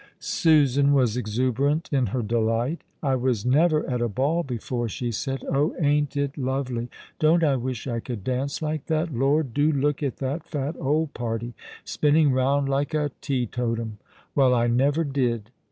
Susan was exuberant in her delight. "I was never at a ball before/' she said. "Oh, aiu't it y 66 All alonz the River. t> lovely? Don't I wish I conlcl danca like that? Lor, do look at that fat old party, spinning roimd like a testotnm ! Well, I never did